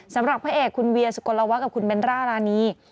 สำหรับพระเอกคุณเวียสุกลวะกับคุณเบนร่ารานี